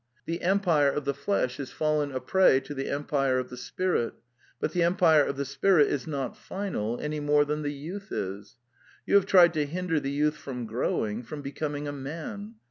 The empire of the flesh is fallen a prey to the empire of the spirit. But the empire of the spirit is not final, any more than the youth is. You have tried to hinder the youth from growing: from becoming a man.